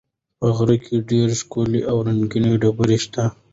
په غره کې ډېرې ښکلې او رنګینې ډبرې شته.